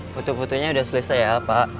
foto fotonya sudah selesai ya pak